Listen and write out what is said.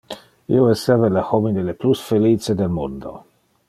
Io esseva le homine le plus felice del mundo.